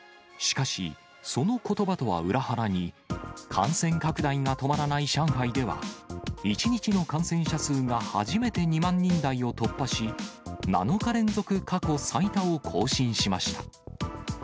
しかし、そのことばとは裏腹に、感染拡大が止まらない上海では、１日の感染者数が初めて２万人台を突破し、７日連続過去最多を更新しました。